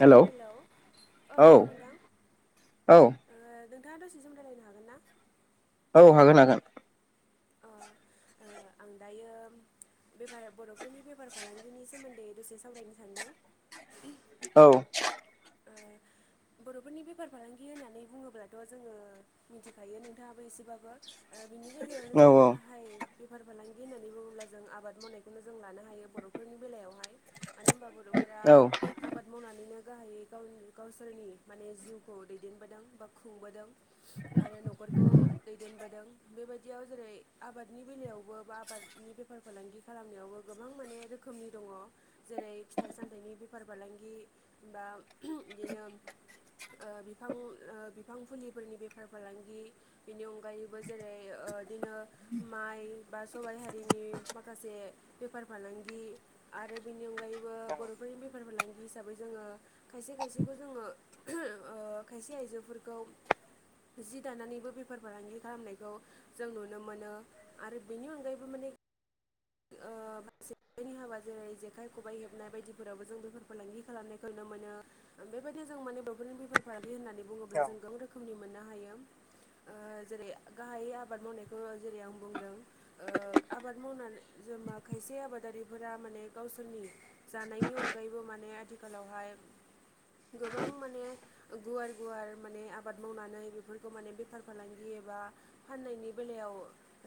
Hello हेल' अ औ हेल' नोंथां। औ ओ नोंथाङा दसे सम रायलायनो हागोन ना? औ हागोन - हागोन। अ ओ आं दायो बेबाराव बर' फोरनि बेफार फालांगिनि सोमोन्दै दसे सावरायनो सानदों। औ। ओ बर'फोरनि बेफार फालांगि होननानै बुङोब्लाथ' जोङो मिथिखायो नोंथाङाबो एसेबाबो। ओ बिनि गेजेरावनो औ जेरै गाहाय बेफार फालांगि होननानै बुङोब्ला जों आबाद मावनायखौनो जों लानो हायो बर'फोरनि बेलायावहाय मानो होनबा बर'फोरा औ आबाद मावनानैनो गाहायै गावनि गावसोरनि माने जिउखौ दैदेनबोदों बा खुंबोदों आरो न'खरखौ दैदेनबोदों। बेबायदियाव जेरै आबादनि बेलायावबो बा आबादनि बेफार फालांगि खालामनायावबो गोबां माने रोख खोमनि दङ जेरै फिथाइ सामथायनि बेफार फालांगि बा इदिनो ओ बिफां ओ बिफां फुलिफोरनि बेफार फालांगि बेनि अनगायैबो जेरै ओ इदिनो माइ बा सबाय हारिनि माखासे बेफार फालांगि आरो बेनि अनगायैबो बर'फोरनि बेफार फालांगि हिसाबै जोङो खायसे खायसेखौ जोङो खायसे आइजोफोरखौ जि दानानैबो बेफार फालांगि खालामनायखौ जों नुनो मोनो आरो बेनि अनगायैबो माने ओ [unintelligible] हाबा जेरै जेखाइ खबाइ हेबनाय बायदिफोरावबो जों बेफोर फालांगि खालामनायखौ नुनो मोनो। बेबायदि जों माने बर'फोरनि बेफार फालांगि होननानै औ बुङोब्ला जों गोबां रोखोमनि मोननो हायो। ओ जेरै गाहायै आबाद मावनायखौ जेरै आं बुंदों ओ आबाद मावनानै जों मा खायसे आबादारिफोरा माने गावसोरनि जानायनि अनगायैबो माने आथिखालावहाय गोबां माने गुवार - गुवार माने आबाद मावनानै बेफोरखौ माने बेफार फालांगि एबा फाननायनि बेलायाव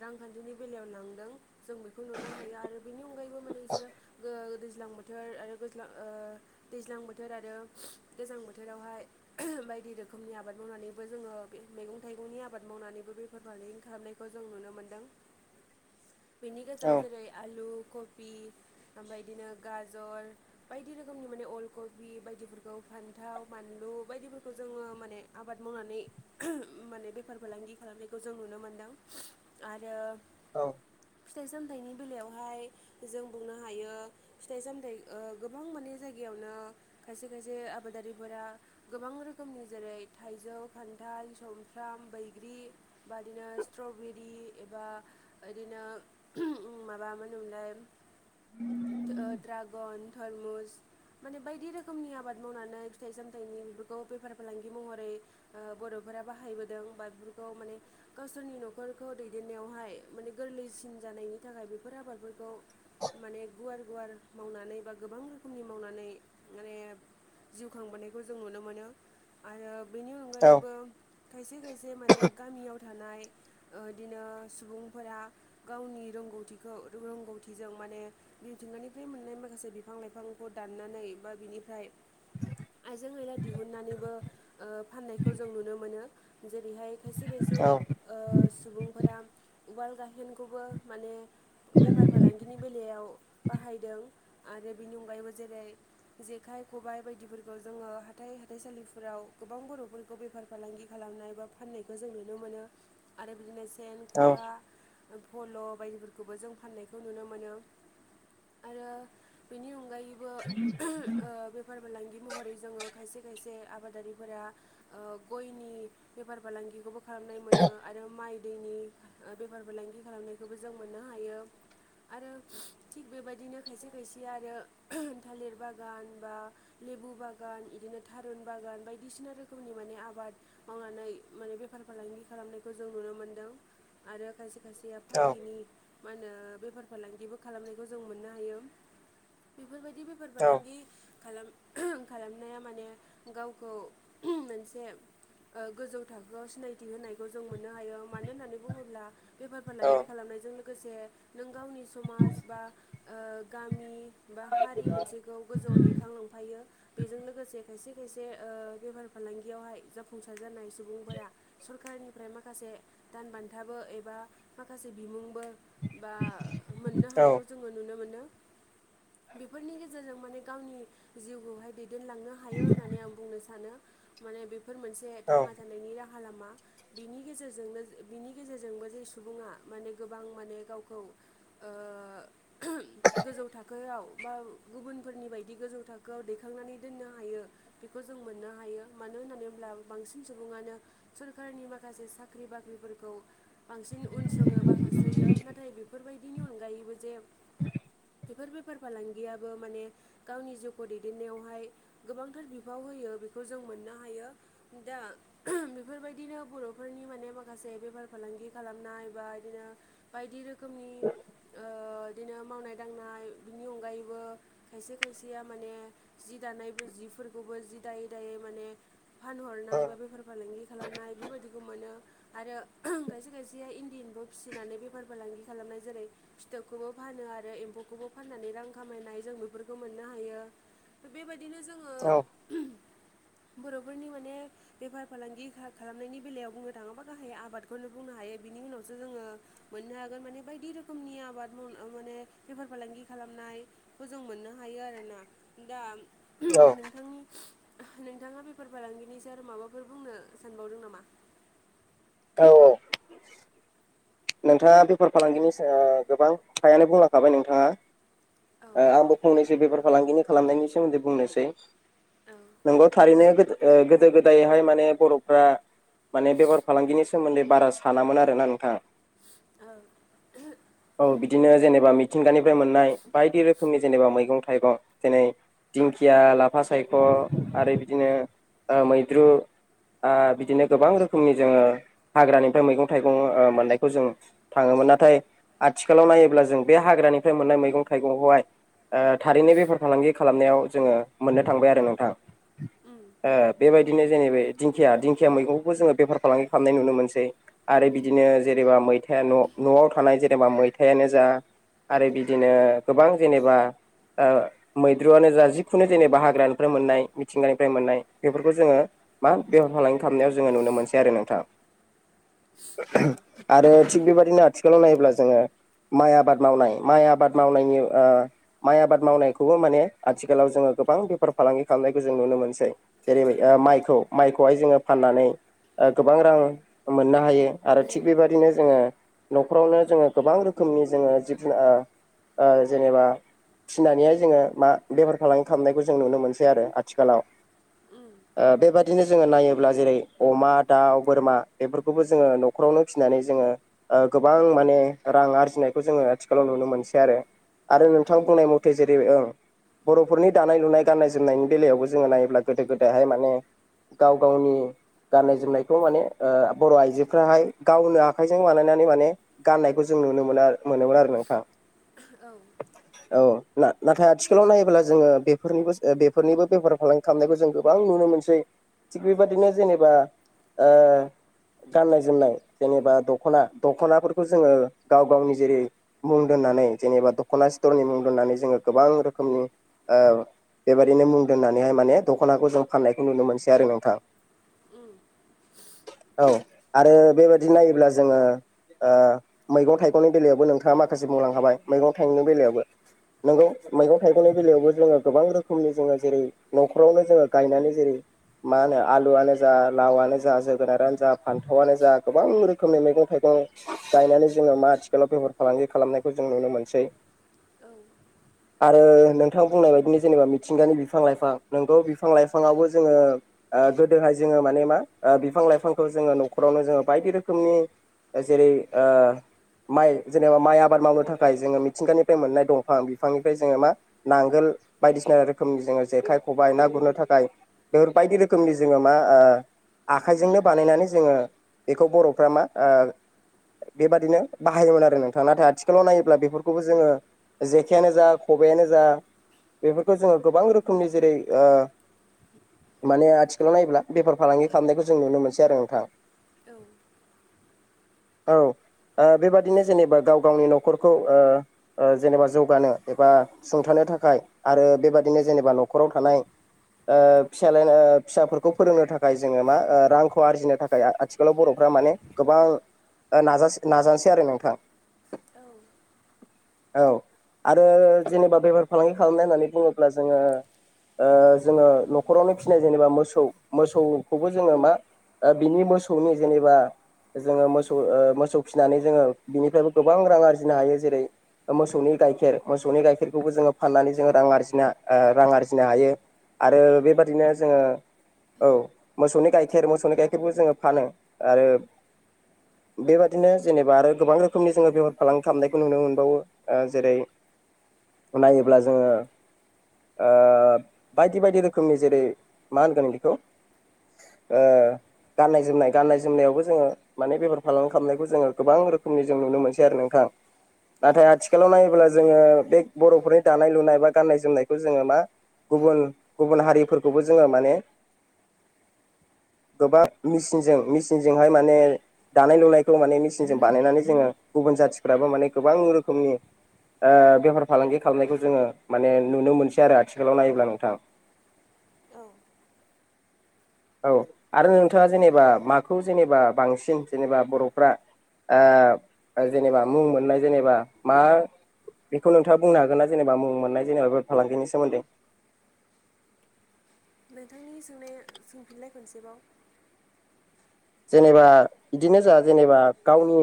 रांखान्थिनि बेलायाव लांदों जों बेखौ नुनो हायो आरो बेनि अनगायैबो माने बिसोरो गो दैज्लां बोथोर आरो गोज्लां ओ दैज्लां बोथोर आरो गोजां बोथोरावहाय बायदि रोखोमनि आबाद मावनानैबो जोङो बे मैगं थाइगंनि आबाद मावनानैबो बे बेफार फालांगि खालामनायखौ जों नुनो मोनदों बेनि औ गेजेराव जेरै आलु, कफि, ओमफाय इदिनो गाजर बायदि रोखोमनि माने अलकबि बायदिफोरखौ फान्थाव बानलु बायदिफोरखौ जोङो माने आबाद मावनानै माने बेफार फालांगि खालामनायखौ जों नुनो मोनदों। आरो औ। फिथाइ सामथाइनि बेलायावहाय जों बुंनो हायो फिथाइ सामथाइ ओ गोबां माने जायगायावनो खायसे - खायसे आबादारिफोरा गोबां रोखोमनि जेरै थाइजौ, खान्थाल, समफ्राम, बैग्रि बादिनो स्ट्रबेरि एबा इदिनो माबा मा होनोमोनलाय? ओ ड्रागन, थरमुस माने बायदि रोखोमनि आबाद मावनानै फिथाइ सामथाइनि बेफोरखौ बेफार फालांगि महरै ओ बर'फोरा बाहायबोदों बा बेफोरखौ माने गावसोरनि न'खरखौ दैदेननायावहाय माने गोरलैसिन जानायनि थाखाय बेफोर आबादफोरखौ माने गुवार - गुवार मावनानै बा गोबां रोखोमनि मावनानै माने जिउ खांबोनायखौ जों नुनो मोनो। आरो बेनि अनगायैबो खायसे - खायसे माने गामियाव थानाय ओदिनो सुबुंफोरा गावनि रोंगौथिखौ लों रोंगौथिजों माने मिथिंगानिफ्राय मोननाय माखासे बिफां लाइफांखौ दाननानै बा बिनिफ्राय आइजें आइला दिहुनन्नानैबो फाननायखौ जों नुनो मोनो। जेरैहाय खायसे खायसे ओ सुबुंफोरा उवाल गाहेनखौ खौबो माने बेफार फालांगि नि बेलायाव बाहायदों आरो बेनि अनगायैबो जेरै जेखाइ खबाय बायदिफोरखौ जोङो हाथाइ हाथाइसालिफोराव गोबां बर'फोरखौ बेफार फालांगि खालामनाय बा फाननायखौ जों नुनो मोनो आरो बिदिनो सेन ख'खा फल' बायदिफोरखौबो जों फाननायखौ नुनो मोनो। आरो बेनि अनगायैबो ओ बेफार फालांगि महरै जोङो खायसे खायसे आबादारिफोरा ओ गयनि बेफार फालांगिखौबो खालामनाय मोनो आरो माइ दैनि बेफार फालांगि खालामनायखौबो जों मोननो हायो। आरो थिग बेबायदिनो खायसे खायसे आरो थालिर बागान बा लेबु बागान बिदिनो थारुन बागान बायदिसिना रोखोमनि माने आबाद मावनानै माने बेफार फालांगि खालामनायखौ जों नुनो मोनदों आरो खायसे फेया फाथैनि मा होनो बेफार फालांगिबो खालामनायखौ जों मोननो हायो बेफोरबायदि बे बेफार फालांगि खालाम खालामनाया माने गावखौ मोनसे ओ गोजौ थाखोआव सिनायथि होनायखौ जों मोननो हायो मानो होननानै बुङोब्ला बेफार फालांगि खालामनायजों लोगोसे नों गावनि समाज बा ओ गामि बा हारि मोनसेखौ गोजौआव दैखांलांफायो। बेजों लोगोसे खायसे खायसे ओ बेफार फालांगियावहाय जाफुंसार जानाय सुबुंफोरा सरखारनिफ्राय माखासे दान बान्थाबो एबा माखासे बिमुंबो बा मोननो हानायखौ जोङो नुनो मोनो। बेफोरनि गेजेरजों माने गावनि जिउखौहाय दैदेनलांनो हायो होननानै आं बुंनो सानो माने बेफोर मोनसे थांना थानायनि रा खालामा बिनि गेजेरजोंनो बिनि गेजेरजोंबो जे सु बुङा माने गोबां माने गावखौ ओ गोजौ थाखोआव बा गुबुनफोरनि बायदि गोजौ थाखोआव दैखांनानै दोननो हायो। बेखौ जों मोननो हायो मानो होननानै होन्ला बांसिन सुबुङानो सोरखारनि माखासे साख्रि बाख्रिफोरखौ बांसिन उन सोङो बा होसोयो नाथाय बेफोरबायदिनि अनगायैबो जे [inaudible] बेफोर बेफार फालांगियाबो माने गावनि जिउखौ दैदेननायावहाय गोबांथार बिफाव होयो बेखौ जों मोननो हायो‌। दा बेफोरबायदिनो बर'फोरनि माने माखासे बेफार फालांगि खालाम नाय बा बिदिनो बायदि रोखोमनि ओ दिनो मावनाय दांनाय बिनि अनगायैबो खायसे खायसेया माने जि दानायबो जिफोरखौबो जि दायै दायै माने फानहरनाय बा बेफार फालांगि खालामनाय बेफोरबायदिखौ मोनो आरो खायसे खायसे या इन्दिनिबो फिसिनानै बेफार फालांगि खालामनाय जेरै फिथोबखौबो फानो आरो एम्फौखौबो फाननानै रां खामायनाय जों बेफोरखौ मोननो हायो। बेबायदिनो जोङो औ बर'फोरनि माने बेफार फालांगि खालामनायनि बेलायाव बुंनो थाङोबा गाहाय आबादखौनो बुंनो हायो बिनि उनावसो जोङो मोननो हागोन माने बायदि रोखोमनि आबाद मावनो माने बेफार फालांगि खालामनाय। खौ जों मोननो हायो आरोना दा औ औ नोंथांनि नोंथाङा बेफार फालांगिनिसो आरो माबाफोर बुंनो सानबावदों नामा? औ औ नोंथाङा बेफार फालांगिनि गोबां थायानो बुंलाखाबाय नोंथाङा। औ ओ आंबो फंनैसो बेफार फालांगिनि खालामनायनि सोमोन्दै बुंनोसै। औ नोंगौ थारैनो गोदो ओ गोदो गोदायहाय माने बर'फ्रा माने बेफार फालांगिनि सोमोन्दै बारा सानामोन आरोना नोंथां। औ [unintelligible] औ बिदिनो जेनेबा मिथिंगानिफ्राय मोननाय बायदि रोखोमनि जेनेबा मैगं थाइगं जेरै दिंखिया, लाफा सायख' आरो बिदिनो ओ मैद्रु ओ बिदिनो गोबां रोखोमनि जोङो हाग्रानिफ्राय मैगं थाइगं ओ मोननायखौ जों थाङोमोन नाथाय आथिखालाव नायोब्ला जों बे हाग्रानिफ्राय मोननाय मैगं थाइगंखौहाय - ओ थारैनो बेफार फालांगि खालामनायाव जोङो मोननो थांबाय आरो नोंथां। उम ओ बेबायदिनो जेने बै दिंखिया दिंखिया मैगंखौबो जोङो बेफार फालांगि खालामनाय नुनो मोनसै। आरो बिदिनो जेनेबा मैथाया न' न'आव थानाय जेनेबा मैथायानो जा आरो बिदिनो गोबां जेनेबा ओ मैद्रुयानो जा जिखुनु जेनेबा हाग्रानिफ्राय मोननाय मिथिंगानिफ्राय मोननाय, बेफोरखौ जोङो मा बेफार फालांगि खालामनायाव जोङो नुनो मोनसै आरो नोंथां। औ [unintelligible] आरो थिग बेबादिनो आथिखालाव नायोब्ला जोङो माइ आबाद मावनाय, माइ आबाद मावनायनि ओ माइ आबाद मावनायखौबो माने आथिखालाव जोङो गोबां बेफार फालांगि खालामनायखौ जों नुनो मोनसै। जेरैबाय माइखौ माइखौहाय जोङो फाननानै ओ गोबां रां मोननो हायो आरो थिग बेबदिनो जोङो न'खरावनो जोङो गोबां रोखोमनि जोङो जिब जुनार ओ ओ जेनेबा फिनानैहाय जोङो मा बेफार फालांगि खालामनायखौ जों नुनो मोनसै आरो आथिखालाव। उम ओ बेबादिनो जोङो नायोब्ला जेरै अमा दाउ, बोरमा बेफोरखौबो जोङो न'खरावनो फिनानै जोङो ओ गोबां माने रां आरजिनायखौ जोङो आथिखालाव नुनो मोनसै आरो। आरो औ नोंथां बुंनाय म [unintelligible] ओ। बर'फोरनि दानाय लुनाय, गान्नाय जोमनायनि बेलायावबो जोङो नायोब्ला गोदो गोदायहाय माने गाव गावनि गाननाय जोमनाय बेखौ माने ओ बर' आइजोफ्राहाय गावनो आखाइजों बानायनानै माने गाननायखौ जों नुनो मोनो, मोनोमोन आरो नोंथां। औ। औ ना-नाथाय आथिखालाव नायोब्ला जोङो बेफोरनिबो बेफोरनिबो ओ बेफार फालांगि खालामनायखौ जों गोबां नुनो मोनसै। थिग बेबायदिनो जेनेबा ओ गाननाय जोमनाय जेनेबा दख'ना, दख'नाफोरखौ जोङो गाव गावनि जेरै मुं दोननानै जेनेबा दख'ना स्थरनि मुं दोननानै जोङो गोबां रोखोमनि ओ बेबायदिनो मुं दोननानैहाय माने दख'नाखौ जों फाननायखौ नुनो मोनसै आरो नोंथां। [unintelligible] औ आरो बेबायदि नायोब्ला जोङो ओ मैगं थाइगंनि बेलायावबो नोंथाङा माखासे बुंलांखाबाय मैगं थाइगंनि बेलायावबो। नोंगौ मैगं थाइगंनि बेलायावबो जोङो गोबां रोखोमनि जोङो जेरै न'खरावनो जोङो गायनानै जेरै मा होनो आलुआनो जा लावनो जा, जोगोनारानो जा, फान्थावानो जा गोबां रोखोमनि मैगं थाइगं गायनानै जोङो मा आथिखालाव बेफार फालांगि खालामनायखौ जों नुनो मोनसै। औ। आरो नोंथां बुंनाय बायदिनो जेनेबा मिथिंगानि बिफां लाइफां, नोंगौ बिफां लाइफाङावबो जोङो ओ गोदोहाय जोङो मान ने मा ओ बिफां लाइफांखौ जोङो न'खरावनो जोङो बायदि रोखोमनि जेरै ओ माइ जेनेबा माइ आबाद मावनो थाखाय जोङो मिथिंगानिफ्राय मोननाय दंफां बिफांनिफ्राय जोङो मा नांगोल बायदिसिना रोखोमनि जोङो जेखाइ, खबाइ ना गुरनो थाखाय बेफोर बायदि रोखोमनि जोङो मा ओ आखाइजोंनो बानायनानै जोङो बेखौ बर'फ्रा मा ओ बेबादिनो बाहायोमोन आरो नोंथाङा नाथाय आथिखालाव नायोब्ला बेफोरखौबो जोङो जेखायानो जा खबायानो जा बेफोरखौ जोङो गोबां रोखोमनि जेरै ओ माने आथिखालाव नायोब्ला बेफार फालांगि खालामनायखौ जों नुनो मोनसै आरो नोंथां। औ औ बेबादिनो जेनेबा गाव गावनि न'खरखौ ओ ओ जेनेबा जौगानो एबा सुंथानो थाखाय आरो बेबादिनो जेनेबा न'खराव थानाय ओ फिसालानो ओ फिसाफोरखौ फोरोंनो था खाय जोङो मा ओ रांखौ आरजिनो थाखाय आथिखालाव बर'फ्रा माने गोबां ओ नाजास नाजानोसै आरो नोंथां। औ औ आरो जेनेबा बेफार फालांगि खालामनाय होननानै बुङोब्ला जोङो ओ जोङो न'खरावनो फिसिनाय जेनेबा मोसौ सौखौबो जोङो मा ओ बिनि मोसौनि जेनेबा जोङो मोसौ ओ मोसौ फिसिनानै जोङो बिनिफ्रायबो गोबां रां आरजिनो हायो जेरै मोसौनि गाइखेर मोसौनि गाइखेरखौबो जोङो फाननानै जोङो रां आरजिना आ रां आरजिनो हायो। आरो औ बेबादिनो जोङो औ मोसौनि गाइखेर मोसौनि गाइखेरबो जोङो फानो आरो बेबादिनो जेनेबा आरो गोबां रोखोमनि जोङो बेफार फालांगि खालामनायखौ नुनो मोनबावो। ओ जेरै नायोब्ला जोङो ओ बायदि बायदि रो खोमनि जेरै मा होनगोन बेखौ ओ गाननाय जोमनाय गाननाय जोमनायावबो जोङो माने बेफार फालांगि खालामनायखौ जोङो गोबां रोखोमनि जों नुनो मोनसै आरो नोंथां। औ नाथाय आथिखालाव नायोब्ला जोङो बे बर'फोरनि दानाय लुनाय बा गाननाय जोमनायखौ जोङो मा गुबुन गुबुन हारिफोरखौबो जोङो माने गोबां मेचिनजों मेचिनजोंहाय माने दानाय लुनायखौ माने मेचिनजों बानायनानै जोङो गुबुन जाथिफ्राबो माने गोबां रोखोमनि ओ बेफार फालांगि खालामनायखौ जोङो माने नुनो मोनसै आरो आथिखालाव नायोब्ला नोंथां। औ औ आरो नोंथाङा जेनेबा माखौ जेनेबा बांसिन जेनेबा बर'फ्रा आ जेनेबा मुं मोननाय जेनेबा मा बेखौ नोंथाङा बुंनो हागोना जेनेबा मुं मोननाय जेनेबा बेफार फालांगिनि सोमोन्दै। नोंथांनि सोंनाया सोंफिनलनाय खनसेबाव। जेनेबा बिदिनो जोंहा जेनेबा गावनि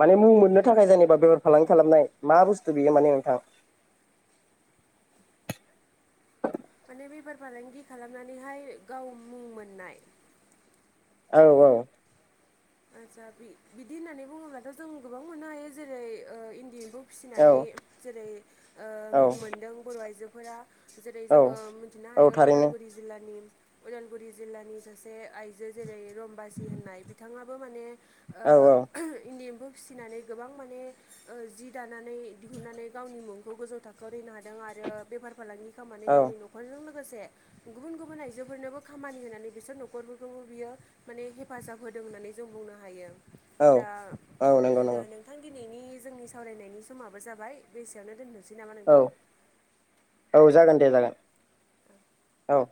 माने मुं मोननो थाखाय जेनेबा बेफार फालांगि खालामनाय मा बुस्थु बेयो माने नोंथां। माने बेफार फालांगि खालामनानैहाय गाव मुं मोननाय। औ औ आतसा बि बिदि होननानै बुङोब्लाथ' जों गोबां मोननो हायो जेरै ओ इण्डि एमफौ औ फिसिनानै जेरै ओ औ मुं मोनदों बर' आइजोफोरा जेरै जोङो औ मोनथिनो औ हायो थारैनो उदालगुरि जिल्लानि उदालगुरि जिल्लानि सासे आइजो जेरै रम्बासि होननाय बिथाङा बो माने औ औ ओ इन्डि एमफौ फिसिनानै गोबां माने ओ जि दानानै दिहुननानै गावनि मुंखौ गोजौ थाखोआव [unintelligible] दों आरो बेफार फालांगि खामनानै औ गावनि न'खरजों लोगोसे गुबुन गुबुन आइजोफोरनोबो खामानि होनानै बिसोर न'खरफोरखौबो बियो माने हेफाजाब होदों होननानै जों बुंनो हायो औ दा औ नंगौ नो नंगौ नों थां दिनैनि जोंनि सावरायनायनि समाबो जाबाय बेसेयावनो दोननोसै नामा औ नोंथां। औ जागोन दे जागोन औ।